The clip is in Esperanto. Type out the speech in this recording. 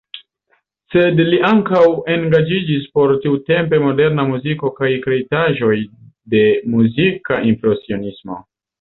Sed li ankaŭ engaĝiĝis por tiutempe moderna muziko kaj kreitaĵoj de muzika impresionismo.